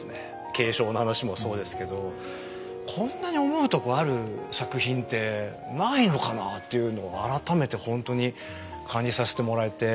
継承の話もそうですけどこんなに思うとこある作品ってないのかなあっていうのを改めてほんとに感じさせてもらえて。